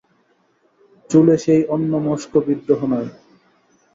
চুলে সেই অন্যমস্ক বিদ্রোহ নাই।